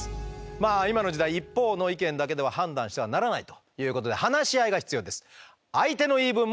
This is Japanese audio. まあ今の時代一方の意見だけでは判断してはならないということで話し合いが必要です。